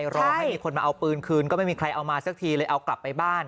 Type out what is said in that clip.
รอให้มีคนมาเอาปืนคืนก็ไม่มีใครเอามาสักทีเลยเอากลับไปบ้าน